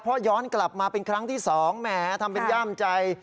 เพราะย้อนกลับมาเป็นครั้งที่๒แหมทำเป็นย่ามใจ